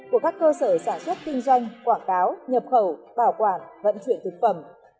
của các cơ sở sản xuất kinh doanh quảng cáo nhập khẩu bảo quản vận chuyển thực phẩm